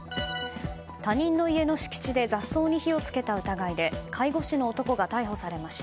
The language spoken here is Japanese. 他人の家の敷地で雑草に火を付けた疑いで介護士の男が逮捕されました。